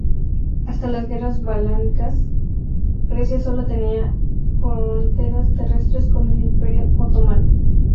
Hasta las guerras balcánicas, Grecia solo tenía fronteras terrestres con el Imperio otomano.